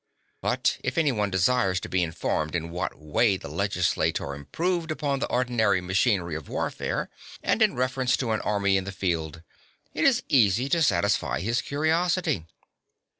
But if any one desires to be informed in what way the legislator improved upon the ordinary machinery of warfare and in reference to an army in the field, it is easy to satisfy his curiosity.